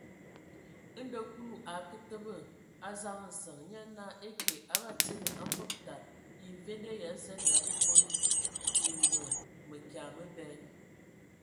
Ndo Kulu a akǝ təbǝ a zaŋ nsəŋ, nye naa: Ekye A Batsidi, a Mvog tad, yə mvende Ya zen ya a Bekon e no mǝkya məbɛ?